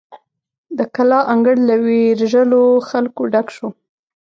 د کلا انګړ له ویرژلو خلکو ډک شو.